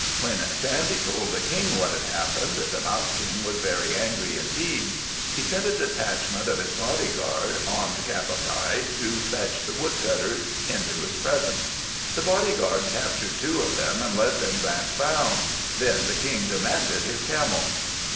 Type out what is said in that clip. When Sandy told the King what had happened, the Mouse King was very angry indeed. He sent a detachment of his bodyguard, armed cap à pie, to fetch the Woodcutters into his presence. The bodyguard captured two of them, and led them back bound. Then the King demanded his Camel.